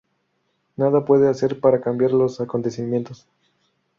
Nada puede hacer para cambiar los acontecimientos.